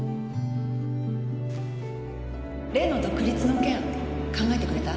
例の独立の件考えてくれた？